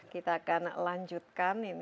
kita akan lanjutkan ini dua champion game